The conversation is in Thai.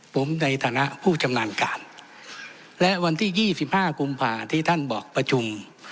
ผมในฐานะผู้ชำนาญการและวันที่๒๕กุมภาที่ท่านบอกประชุม